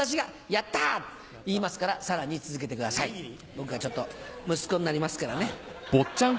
僕がちょっと息子になりますからね。